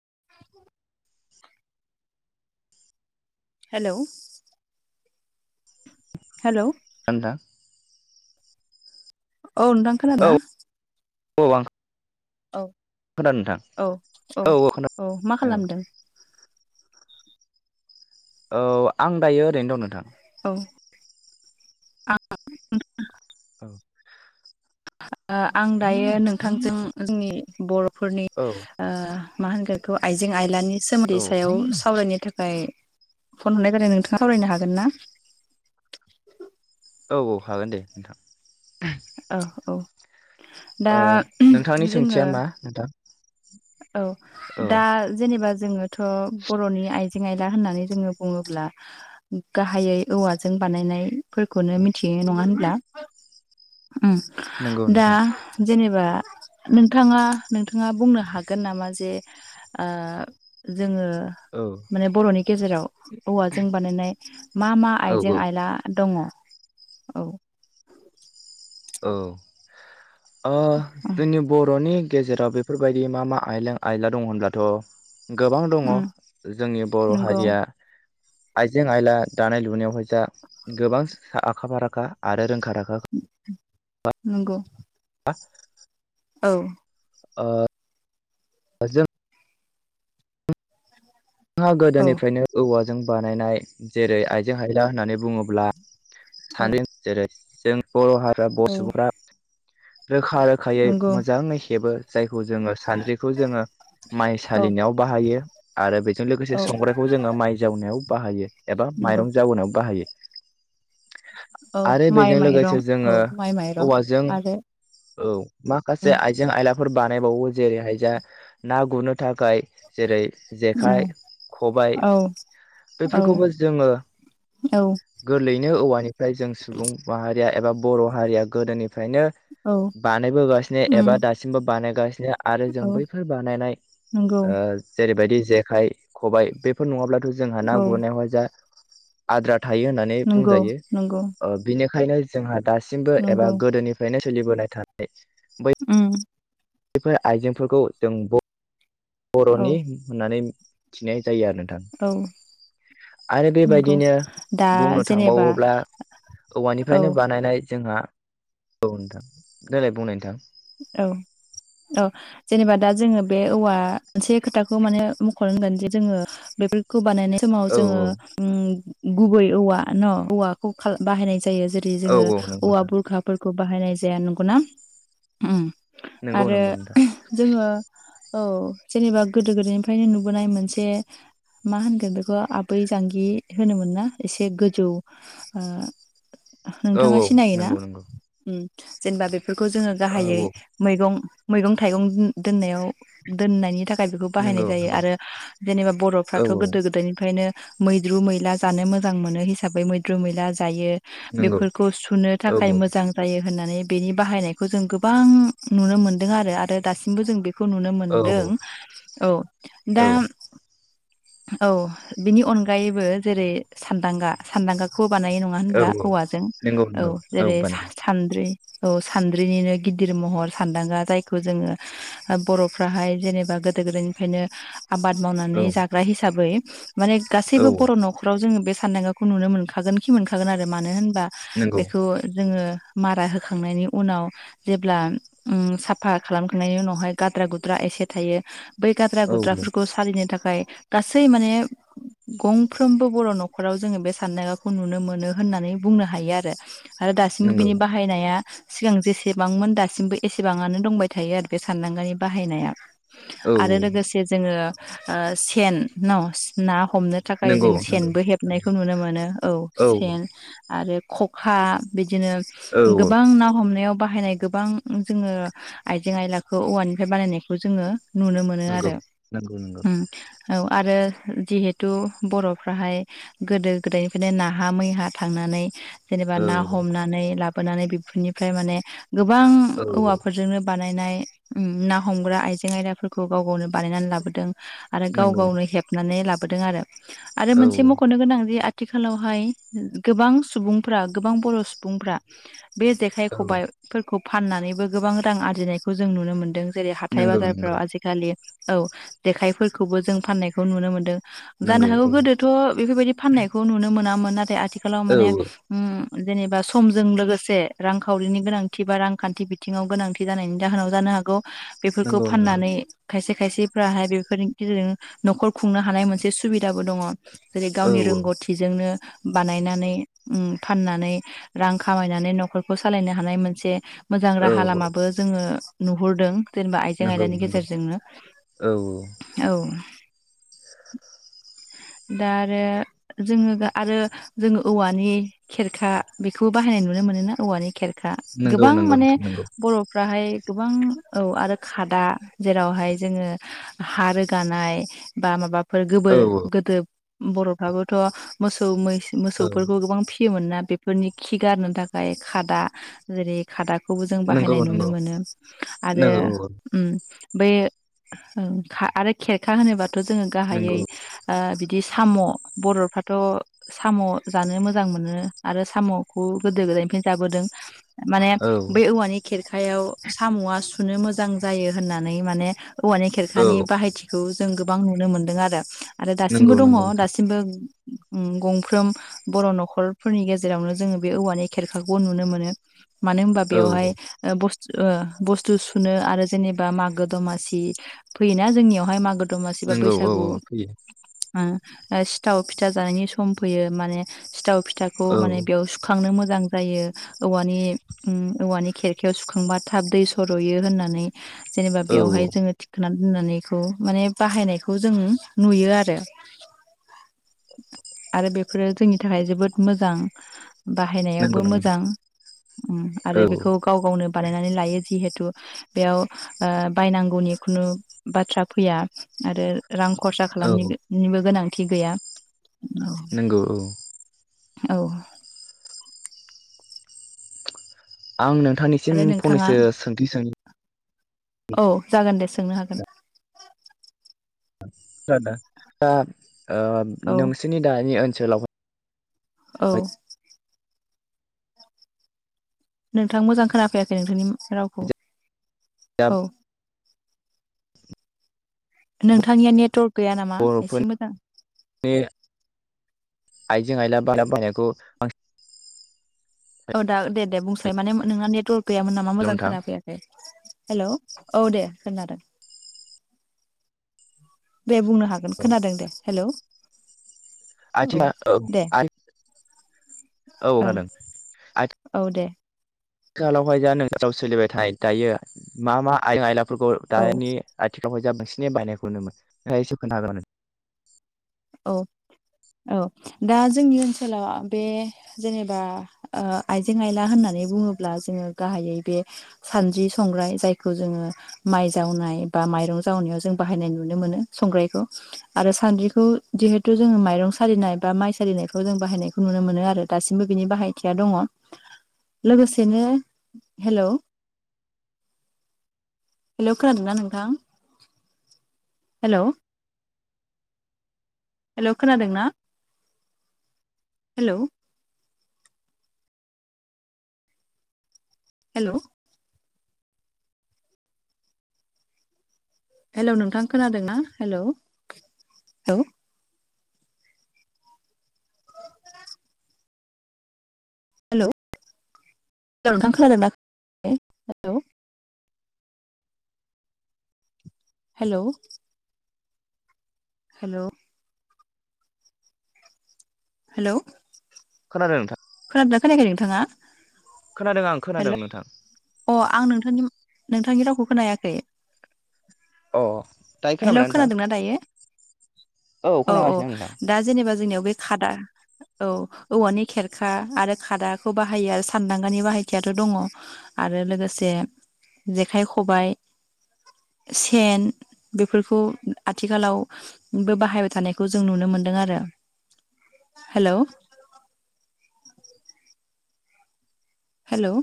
[inaudible] Hello hello थान्दा औ नोंथां औ खोनादोंना? औ आं औ खोनादों नोंथां औ औ औ मा खालामदों? औ आं दायो ओरैनो दं नोंथां औ [unintelligible] [inaudible] आं दायो नोंथांजों जोंनि बर'फोरनि औ ओ मा होनगोन इखौ आइजें आयलानि सोमोन्दै सायाव सावरायनो थाख खाय फन हरनाय जादों नोंथाङा सावरायनो हागोन ना औ हागोन दे नोंथां ओ औ दा ओ नोंथांनि जोङो सोंथिया मा नोंथां औ दा औ जेनेबा जोङोथ' बर'नि आइजें आयला होननानै जोङो बुङोब्ला गाहायै औवाजों बानायनायफोरखौनो मिथियो नङा होनब्ला उम नंगौ दा नोंथां जेनेबा नोंथाङा-नोंथाङा बुंनो हागोन नामा जे आ जोङो औ माने बर'नि गेजेराव औवाजों बानायनाय मा मा आइजें औ औ आइला दङ' औ औ ओ जोंनि बर'नि गेजेराव बेफोरबायदि मा मा आयलें आयला दं होनब्लाथ' गोबां दङ' उम जोंनि बर' नंगौ हारिया आइजें आइला दानाय लुनायावहाय जा गोबां आखा फाराखा आरो रोंखा राखा नंगौ [unintelligible] औ ओ जों हा औ गोदोनिफ्रायनो औवाजों बानायनाय जेरै आइजें आयला होननानै बुङोब्ला औ सानदों जेरै जों बर' हारा बर' औ सुबुंफ्रा रोखा रोखायै नंगौ मोजाङै हेबो जायखौ जोङो सानद्रिखौ जोङो माइ औ सालिनायाव बाहायो आरो बेजों लोगोसे औ संग्रायखौ जोङो माइ जावनायाव बाहायो एबा नंगौ माइरं जावनायाव बाहायो औ आरो माइ बेजों माइरं लोगोसे औ जोङो माइ माइरं औवाजों आरो औ माखासे उम आइजें आयलाफोर बानायबावो जेरैहायजों ना गुरनो थाखाय जेरै उम जेखाइ खबाय औ औ बेफोरखौबो जोङो औ गोरलैयैनो औवानिफ्राय जों सुबुं माहारिया एबा बर' हारिया गोदोनिफ्रायनो औ बानायबोगासिनो उम एबा दासिमबो बानाय आरो औ जों बैफोर बानायनाय नंगौ जेरैबायदि जेखाइ खबबाय बेफोर नङाब्लाथ' जोंहा ना औ गुरनायावहाय जा आद्रा थायो होननानै नंगौ बुंजायो नंगौ बिनि ओंखायनो जोंहा दासिमबो एबा नंगौ गोदोनिफ्रायनो सोलिबोनाय थानाय उम बेफोर आइजेंफोरखौ जों ब'- औ बर'नि होननानै मिथिनाय जायो आरो नोंथां औ आरो नंगौ बेबायदिनो दा बुंनो जेनेबा थांबावोब्ला औ औवानिफ्रायनो बानायनाय जोंहा औ नोंथां देलाय बुंनाय नोंथां औ औ जेनेबा दा जोङो बे औवा मोनसे खोथाखौ मानो मख'नो नांगोन जे जोङो बेफोरखौ बानायनाय समाव औ औ जोङो उम गुबै औवा न' औवाखौ खाल बाहायनाय जायो जेरै औ जोङो औ नंगौ औवा नोंथां बुरखाफोरखौ बाहायनाय जाया नंगौना चम नंगौ आरो नंगौ नोंथां जोङो औ जेनेबा गोदो गोदायनिफ्रायनो नुबोनाय मोनसे मा होनगोन बेखौ आबै जांगि होनोमोन ना एसे गोजौ ओ औ नोंथाङा औ सिनायोना नंगौ नंगौ जेनेबा बेफोरखौ जोङो औ औ गाहायै मैगं मैगं थाइगं दोननायाव दोननायनि था बेखौ बाहायनाय नंगौ जायो नंगौ आरो जेनेबा औ बर'फ्राथ' गोदो गोदायनिफ्रायनो मैद्रु मैला जानो मोजां मोनो हिसाबै मैद्रु मैला जायो। नंगौ बेफोरखौ सुनो औ थाखाय मोजां जायो होननानै बेनि बाहायनाय खौ जों गोबां नुनो मोनदों आरो आरो दासिमबो जों बे खौ नुनो औ मोनदों औ औ दा औ बिनि अनगायैबो जेरै सानदांगा सानदांगाग खौ बानायो नङा होनब्ला औ औ औवाजों नंगौ औ नंगौ जेरै सा बानायो सान्द्रि औ सान्द्रिनिनो गिदिर महर सान्दांगा जायखौ जोङो बरफ्राहाय जेनेबा गोदो गोदायनिफ्रायनो आबाद औ मावनानै जाग्रा हिसाबै माने औ गासैबो बर नखराव जोङो बे सानदेंगाखौ नुनो मोनखागोनखि मोनखागोन आरो मानो होनबा नंगौ बेखौ जोङो मारा होखांनायनि उनाव जेब्ला उ साफा खालामखांनायनि उनावहाय गाद्रा गुद्रा एस से थायो बै गाद्रा औ गुद्राफोरखौ सालिनो थाखाय गासै माने गंफ्रोमबो बर नखराव जोङो बे साननायगाखौ नुनो मोनो होननानै बुंनो हायो आरो आरो दासिमबो नंगौ बिनि बाहायनाया सिगां जेसेबांमोन दासिमबो एसेबांआनो दंबाय थायो आरो बे सानदांगानि बाहायनाया औ आरो औ लोगोसे जोङो ओ सेन नस ना हमनो थाखाय नंगौ जों नंगौ सेनबो हेबनायखौ नुनो मोनो औ सेन आरो खखा बिदिनो औ गोबां ना हमनायाव बाहायनाय गोबां जोङो आइजें आयलाखौ औवानिफ्राय बानायनायखौ जोङो नुनो मोनो नंगौ आरो नंगौ नंगौ उ औ आरो जिहेथु बर'फ्राहाय गोदो गोदायनिफ्रायनो नाहा मैहा थांना नै जेनेबा औ ना हमनानै लाबोनानै बेफोरनिफ्राय माने गोबां औ औवाफोरजोंनो बानायनाय उ ना हमग्रा आइजें आयदाफोरखौ गाव गावनो बानायनानै लाबोदों आरो गाव नंगौ गावनो हेबनानै लाबोदों आरो आरो औ मोनसे मखनो गोनां जि थिखालावहाय गोबां सुबुंफ्रा गोबां बर' सुबुंफ्रा बे जेखाइ औ खबाइफोरखौ फाननानैबो गोबां रां आरजिनायखौ जों नुनो मोन्दों जेरै हाथाय नंगौ बाजारफोराव नंगौ आजिखालि औ जेखायफोरखौबो जों फाननायखौ नुनो मोन्दों जानो नंगौ हागौ गोदोथ बेफोरबायदि फाननायखौ नुनो मोनामोन नाथाय आथिखालाव औ माने उ जेनेबा समजों लोगोसे रांखावरिनि गोनांथि बा रांखान्थि बिथिङाव गोनांथि जानायनि जाहोनाव जानो हागौ बेफोरखौ नंगौ नंगौ फाननानै खायसे खायसेफ्राहाय बेफोरनि गेजेरजों नखर खुंनो हानाय मोनसे सुबिदाबो दङ जेरै औ गावनि रोंगौथिजोंनो बानायनानै उ फाननानै रां खामायनानै नखरखौ सालायनो हानाय मोनसे मोजां औ राहा लामाबो जोङो नुहुरदों जेनेबा आइजें नंगौ आयलानि नंगौ गेजेरजोंनो औ [inaudible] दा आरो जोङो दा आरो जोङो औवानि खेरखा बेखौ बाहायनाय नुनो मोनो ना औवानि खेरखा नंगौ गोबां नंगौ माने नोंथां नंगौ बर फ्राहाय गोबां औ आरो खादा जेरावहाय जोङो हा रोगानाय बा माबाफोर औ गोबोर गोदो बर'फ्राबोथ' मोसौ मैस औ मोसौफोरखौ गोबां फि मोना बेफोरनि खि गारनो थाखाय खादा जेरै खादाख खौबो जों नंगौ बाहायनाय नुनो नंगौ मोनो आरो नंगौ औ उ बै उ खा आरो खेरखा होनोबाथ' जोङो नंगौ गाहायै ओ बिद बिदि साम' बरफ्राथ साम' जानो मोजां मोनो आरो साम'खौ गोदो उदैनिफ्रायनो जाबोदों माने औ बै औवानि खेर खायाव सामआ सुनो मोजां जायो होननानै माने औवानि औ खेरखानि बाहायथिखौ जों गोबां नुनो मोनदों आरो आरो दासिमबो नंगौ दङ नंगौ नोंथां दासिमबो उ गंफ्रोम बर नखरफोरनि गेजेरावनो जोङो बे औवानि खेरखाखौबो नुनो मोनो मानो होनबा औ बेवहाय ओ बुस्थ बुस्थु सुनो आरो जेनेबा मागो दमासि फैयोना जोंनियावहाय मागो दमासि बा नंगौ औ बैसागु औ फैयो आ ओ सिथाव फिथा जानायनि सम फैयो माने सिथाव फिथाखौ औ माने बेयाव सुखांनो मोज मोजां जायो औवानि उ औवानि खेरखायाव सुखांबा थाब दै सरयो होननानै जेनेबा औ बेवहाय जोङो थि- खोना दोननानैखौ माने बाहायनायखौ जों नुयो आरो। आरो बेफोरो जोंनि थाखाय जोबोद मोजां,। बाहायनायावबो नंगौ नोंथां मोजां आरो औ बेखौ गाव गावनो बानायनानै लायो। जिहेथु बेयाव ओ बायनांगौनि खुनु बाथ्रा फैया आरो। रां खरसा औ खालामनिनिबो गोनांथि गैया‌। नोंगौ औ। औ। आं नोंथांनिसिम आरो नोंथाङा फंनैसो सोंथि सों औ जागोन दे सोंनो हागोन। आदा दा ओ औ नोंसोरनि दानि ओनसोलावाय औ। नोंथां मोजां खोनाफैयाखै नोंथांनि रावखौ दा औ नोंथांनिया नेटवर्क गैया नामा एसे बर'फोरनि मोजां आइजें-आइला बारा बाहायनायखौ [inaudible] औ दा दे दे बुंसाय माने नोंना नेटवर्क गैयामोन नामा हेलौ मोजां नोंथां खोनाफैयाखै हेल' औ दे खोनादों। दे बुंनो हागोन खोनादों दे हेलौ औ दे [inaudible] औ ओं खोनादों औ दे आथिखालावहाय जा [unintelligible] सोलिबाय थायो दायो मा मा आयजें आयलाफोरखौ औ दानि [unintelligible] [unintelligible] औ। औ दा जोंनि ओनसोलाव बे जेनेबा ओ आइजें-आइला होननानै बुङोब्ला जोङो गाहायै बे सानद्रि-संग्राइ जायखौ जोङो माइ जावनाय बा माइरं जावनायाव जों बाहायनाय नुनो मोनो संग्रायखौ आरो सान्द्रिखौ जिहेथु जोङो माइरं सालिनाय बा माइ सालिनायफ्राव जों बाहायनायखौ नुनो मोनो आरो दासिमबो बिनि बाहायथिया दङ। लोगोसेनो हेल'! हेल' खोनादोंना नोंथां हेल'! हेल' खोनादों ना? हेल'! हेल'! हेलौ नोंथां खोनादोंना हेलौ हेल'? हेल' नोंथां खोनादोंना हेल' हेल'! हेल'! हेल'! खोनादों नोंथां? खोनादोंना खोनायाखै नोंथाङा? खोनादों आं हेल' खोनादों नोंथां। अ आं नोंथांनि नोंथांनि रावखौ खोनायाखै। अ दायो हेल' खोनाबायना नोंथां खोनादोंना दायो? औ औ खोनागासिनो आं दा जेनेबा जोंनियाव बे खादा औ औवानि खेरखा आरो खादाखौ बाहायो आरो सानदांगानि बाहायथियाथ' दङ। आरो लोगोसे जेखाइ-खबाइ, सेन, बेफोरखौ आथिखालावबो बाहायबाय थानायखौ जों नुनो मोनदों आरो। हेल'! हेल'!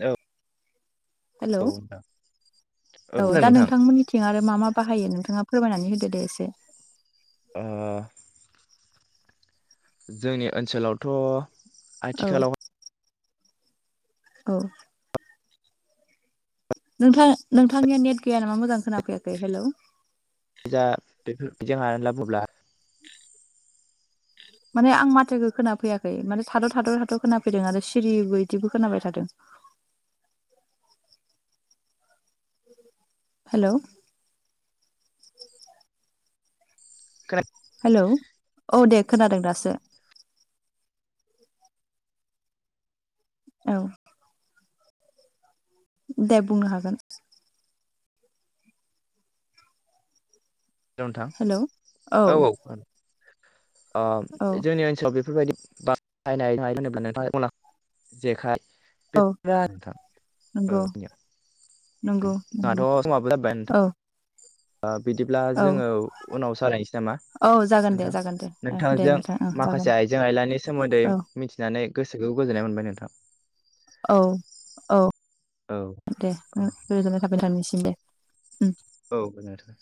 औ हेलौ औ नोंथां औ खोनादों दा नोंथां नोंथांमोननिथिं आरो मा मा बाहायो नोंथाङा फोरमायनानै होदो दे एसे ओ जोंनि ओनसोलावथ' औ आथिखालाव औ नोंथां नोंथांनिया नेट गैया नामा मोजां खोनाफैयाखै हेलौ। जा बेफोर बिदि हानानै लाबोब्ला [inaudible] माने आं माथोखौ खोनाफैयाखै माने थाद' थाद' थाथ' खोनाफैदों आरो सिरिबो बिदिबो खोनाबाय थादों। [inaudible] हेल' ख [inaudible] हेलौ औ दे खोनादों दासो। औ दे बुंनो हागोन। नोंथां हेलौ औ औ अ औ जोंनि ओनसोलाव बेफोरबायदि बायनाय होनोब्ला नोंथाङ अन जेखाय औ नंगौ [unintelligible] नंगौ नंगौ जोंहाथ' समाबो जाबोबाय औ नोंथां। बिदिब्ला औ जोङो उनाव सावरायनोसै नामा? औ जागोन दे नोंथां जागोन दे ओ दे नोंथांजों नोंथां ओ जागोन माखासे आइजें आइलानि सोमोन्दै औ मिथिनानै गोसोखौ गोजोननाय मोनबाय नोंथां। औ औ औ दे औ गोजोननाय थाबाय नोंथांसिम दे। उ औ नोंथां।